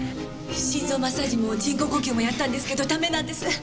心臓マッサージも人工呼吸もやったんですけどダメなんです。